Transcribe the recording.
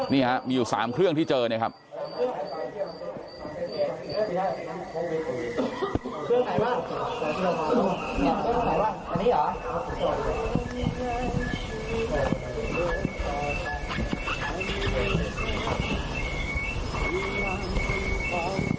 นี่ฮะมีอยู่๓เครื่องที่เจอเนี่ยครับ